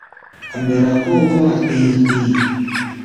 A̧ mbɛra kóo kɔ̧́-a̧ kpii-kpii.